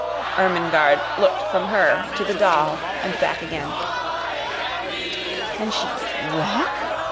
Ermengarde looked from her to the doll and back again. "Can she walk?"